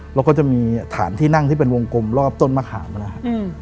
แล้วก็จะมีฐานที่นั่งที่เป็นวงกลมรอบต้นมะขามนะครับ